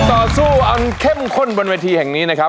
ต่อสู้อันเข้มข้นบนเวทีแห่งนี้นะครับ